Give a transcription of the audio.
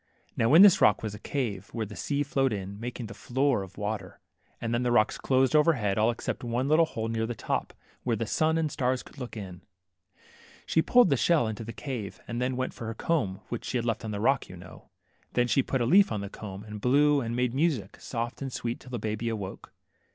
Now in this rock was a cave, where the sea flowed in, making a floor of water, and then the rocks closed overhead, all except one little hole near the top, where the sun and the stars could look in. She pulled the shell into this cave, and then went for her comb which she had left on the rock, you know. Then she put a leaf on the comb, and blew, and made music, soft and sweet, till the baby awoke.